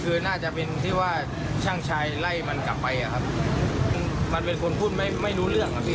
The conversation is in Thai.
คือน่าจะเป็นที่ว่าช่างชายไล่มันกลับไปอ่ะครับมันเป็นคนพูดไม่ไม่รู้เรื่องอะพี่